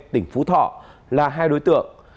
tỉnh phú thọ là hai đối tượng